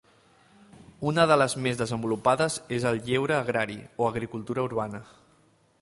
Una de les més desenvolupades és el lleure agrari, o agricultura urbana.